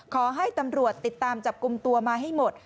ขอให้ตำรวจติดตามจับกลุ่มตัวมาให้หมด